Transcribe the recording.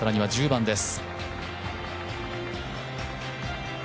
１４番です